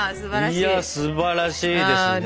いやすばらしいですね。